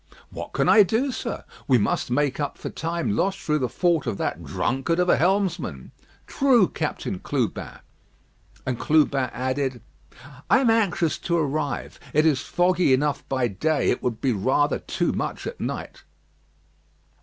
"What can I do, sir? We must make up for time lost through the fault of that drunkard of a helmsman." "True, Captain Clubin." And Clubin added: "I am anxious to arrive. It is foggy enough by day: it would be rather too much at night."